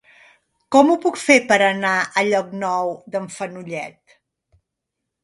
Com ho puc fer per anar a Llocnou d'en Fenollet?